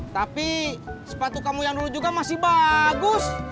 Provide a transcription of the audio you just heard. tapi sepatu kamu yang dulu juga masih bagus